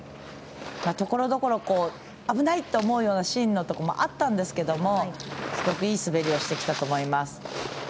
ところどころ危ないと思うシーンもあったんですけどすごくいい滑りをしてきたと思います。